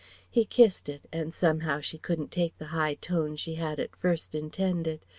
He kissed it and somehow she couldn't take the high tone she had at first intended.